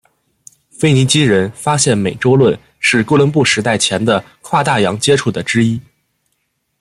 腓尼基人发现美洲论是哥伦布时代前的跨大洋接触的之一。